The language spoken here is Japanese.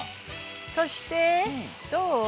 そしてどう？